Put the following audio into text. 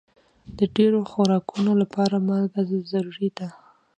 د ډېرو خوراکونو لپاره مالګه ضروري ده.